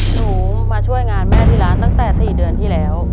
หนูมาช่วยงานแม่ที่ร้านตั้งแต่๔เดือนที่แล้ว